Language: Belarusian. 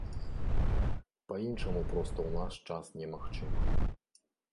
Па-іншаму проста ў наш час немагчыма.